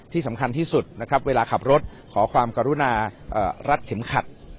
ที่สำคัญที่สุดนะครับเวลาขับรถขอความกรุณารัดเข็มขัด